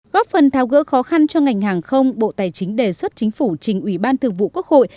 góp phần tháo gỡ khó khăn cho ngành hàng không bộ tài chính đề xuất chính phủ trình ủy ban thường vụ quốc hội